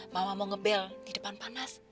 mama mau ngebel di depan panas